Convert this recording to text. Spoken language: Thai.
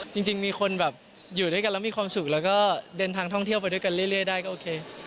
จริงมีคนแบบอยู่ด้วยกันแล้วมีความสุขแล้วก็เดินทางท่องเที่ยวไปด้วยกันเรื่อยได้ก็โอเค